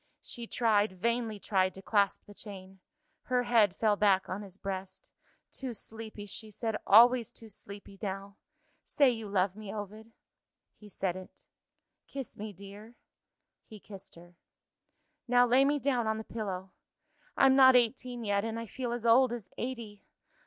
She tried, vainly tried, to clasp the chain. Her head fell back on his breast. "Too sleepy," she said; "always too sleepy now! Say you love me, Ovid." He said it. "Kiss me, dear." He kissed her. "Now lay me down on the pillow. I'm not eighteen yet and I feel as old as eighty!